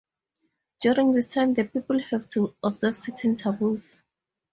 During this time, the people have to observe certain taboos.